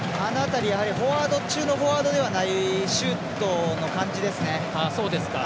あの辺りフォワード中のフォワードではない感じのシュートの感じですね。